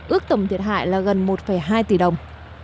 ước tổng thiệt hại là gần một hai tỷ đồng